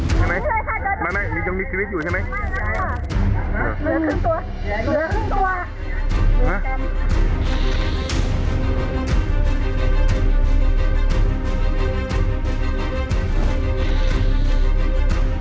ใช่ไหมไม่ไม่ยังมีคลิปอยู่ใช่ไหมใช่ค่ะเหลือครึ่งตัว